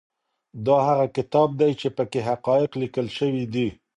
دا هغه کتاب دی چي په کي حقایق لیکل سوي دي.